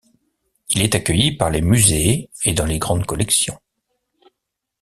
Il est accueilli par les Musées et dans les grandes collections.